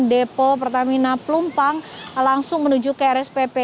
depo pertamina pelumpang langsung menuju ke rspp